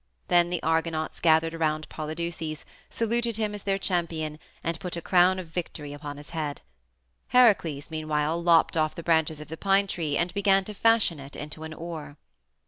Then the Argonauts gathered around Polydeuces, saluted him as their champion, and put a crown of victory upon his head. Heracles, meanwhile, lopped off the branches of the pine tree and began to fashion it into an oar.